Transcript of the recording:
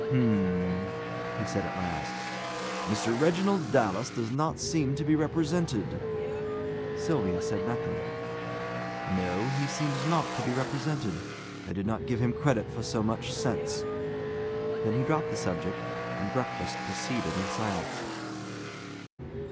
"H'm!" he said, at last. "Mr. Reginald Dallas does not seem to be represented." Sylvia said nothing. "No; he seems not to be represented. I did not give him credit for so much sense." Then he dropped the subject, and breakfast proceeded in silence.